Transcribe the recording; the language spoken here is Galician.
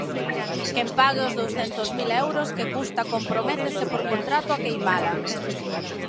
Quen pague os douscentos mil euros que custa comprométese por contrato a queimala.